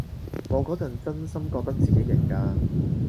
我嗰陣真心覺得自己型㗎